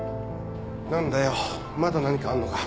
何だよまだ何かあんのか？